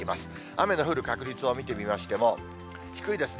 雨の降る確率を見てみましても、低いですね。